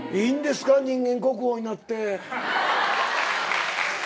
人間国宝になって。